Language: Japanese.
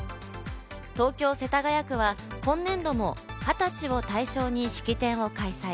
東京・世田谷区は今年度も二十歳を対象に式典を開催。